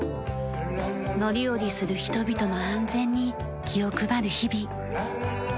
乗り降りする人々の安全に気を配る日々。